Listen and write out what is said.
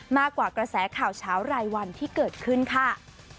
มากกว่ากระแสข่าวเช้ารายวันที่เกิดขึ้นค่ะ